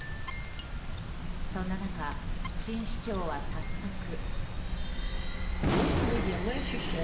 そんな中、新市長は早速。